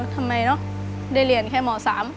ทำไมเนอะได้เรียนแค่ม๓